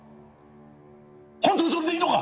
本当にそれでいいのか？